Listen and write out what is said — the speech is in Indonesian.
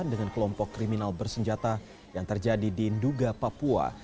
dengan kelompok kriminal bersenjata yang terjadi di nduga papua